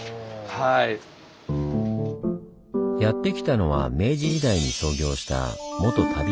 やって来たのは明治時代に創業した元足袋屋さん。